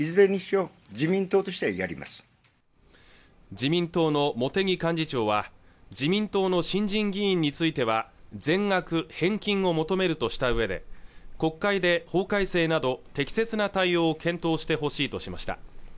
自民党の茂木幹事長は自民党の新人議員については全額返金を求めるとしたうえで国会で法改正など適切な対応を検討してほしいとしました